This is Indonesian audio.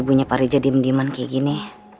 ibu nya pari jadi mendiaman kaya gini